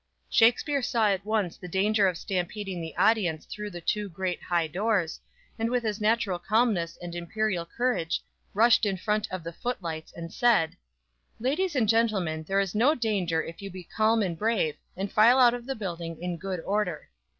Shakspere saw at once the danger of stampeding the audience through the two great, high doors, and with his natural calmness and imperial courage rushed in front of the footlights and said: "Ladies and gentlemen, there is no danger if you be calm and brave, and file out of the building in good order."